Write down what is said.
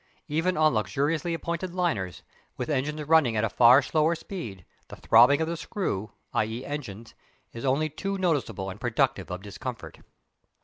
Even on luxuriously appointed liners, with engines running at a far slower speed, the throbbing of the screw (i.e. engines) is only too noticeable and productive of discomfort.